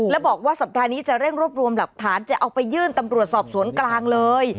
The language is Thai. แล้วบอกว่าสัปดาห์นี้จะเร่งรวบรวมหลักฐานจะเอาไปยื่นตำรวจสอบสวนกลางเลย